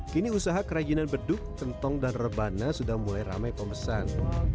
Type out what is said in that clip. kini usaha kerajinan beduk kentong dan rebana sudah mulai ramai pemesan